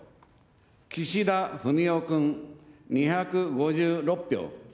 岸田文雄君２５６票。